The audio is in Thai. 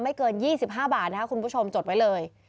ไม่เกินยี่สิบห้าบาทนะคะคุณผู้ชมจดไว้เลย